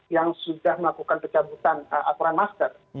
yang sudah melakukan pecah kecutan aturan masker